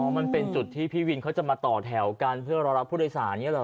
อ๋อมันเป็นจุดที่พี่วินเขาจะมาต่อแถวกันเพื่อรักรับผู้โดยสาร